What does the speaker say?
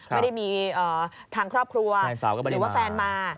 ไม่ได้มีทางครอบครัวหรือว่าแฟนมา